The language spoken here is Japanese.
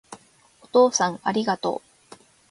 お父さんありがとう